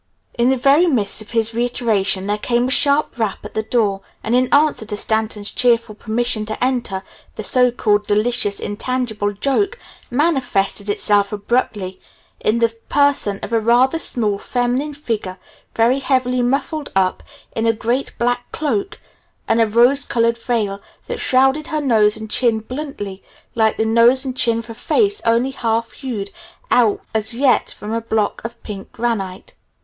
In the very midst of his reiteration, there came a sharp rap at the door, and in answer to Stanton's cheerful permission to enter, the so called "delicious, intangible joke" manifested itself abruptly in the person of a rather small feminine figure very heavily muffled up in a great black cloak, and a rose colored veil that shrouded her nose and chin bluntly like the nose and chin of a face only half hewed out as yet from a block of pink granite.